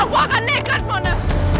mona aku akan siapkan mona